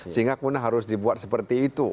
sehingga kemudian harus dibuat seperti itu